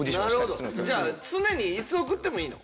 常にいつ送ってもいいの？